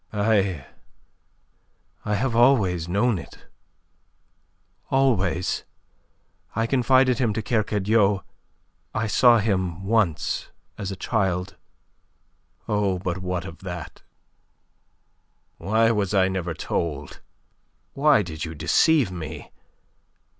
"I... I have always known it... always. I confided him to Kercadiou. I saw him once as a child... Oh, but what of that?" "Why was I never told? Why did you deceive me?